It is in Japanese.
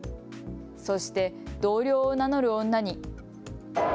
そして同僚を名乗る女に。